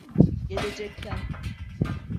Gelecekten.